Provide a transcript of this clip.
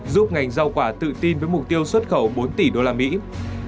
giúp ngành giao quả tự tin với mục tiêu xuất khẩu bốn tỷ usd